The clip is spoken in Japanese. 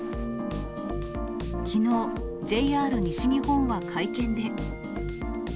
きのう、ＪＲ西日本は会見で。